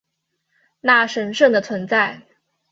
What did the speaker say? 那神圣的存在